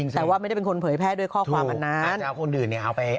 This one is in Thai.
แต่ว่าไม่ได้เป็นคนเผยแพ้ด้วยข้อความอันนั้น